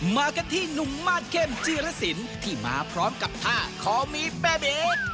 มากันที่หนุ่มมาสเข้มจีรสินที่มาพร้อมกับท่าขอมีเป้เบส